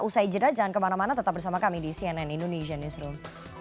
usai jeda jangan kemana mana tetap bersama kami di cnn indonesian newsroom